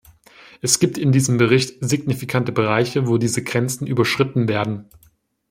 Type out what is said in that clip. Es gibt in diesem Bericht signifikante Bereiche, wo diese Grenzen überschritten werden.